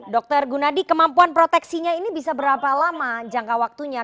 dr gunadi kemampuan proteksinya ini bisa berapa lama jangka waktunya